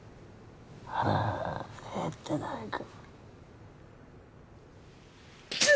腹、減ってないか？